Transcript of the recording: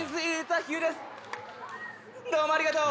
「どうもありがとう！」